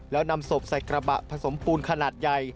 แล้วนำศพใส่กระบะผสมปูนขนาดใหญ่